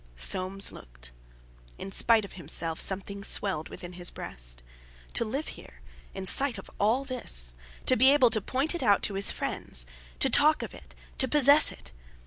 Soames looked. In spite of himself, something swelled in his breast. To live here in sight of all this, to be able to point it out to his friends, to talk of it, to possess it!